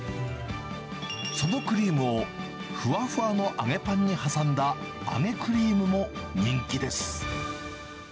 そのクリームを、ふわふわの揚げパンに挟んだあげクリームも人気です。